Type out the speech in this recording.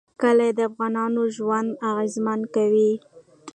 کلي د افغانانو ژوند اغېزمن کوي.